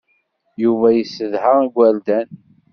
Yuba yessedha igerdan.